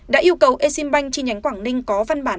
đã yêu cầu exim bank chi nhánh quảng ninh có văn bản